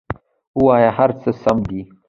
ووایه هر څه سم دي!